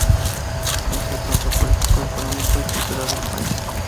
Es el centro político, económico y cultural del país.